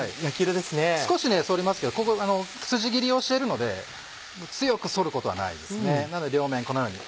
少し反りますけどここ筋切りをしているので強く反ることはないですねなので両面このように。